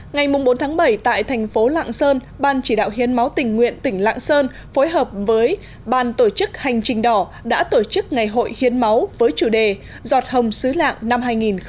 ngày bốn bảy tại thành phố lạng sơn ban chỉ đạo hiến máu tình nguyện tỉnh lạng sơn phối hợp với ban tổ chức hành trình đỏ đã tổ chức ngày hội hiến máu với chủ đề giọt hồng xứ lạng năm hai nghìn một mươi chín